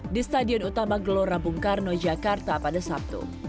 di stadion utama gelora bungkarno jakarta pada sabtu